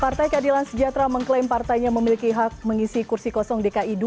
partai keadilan sejahtera mengklaim partainya memiliki hak mengisi kursi kosong dki dua